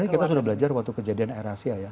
kita sudah belajar waktu kejadian air asia ya